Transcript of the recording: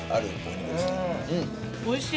おいしい。